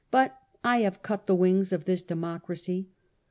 ... But I have cut the wings of this democracy.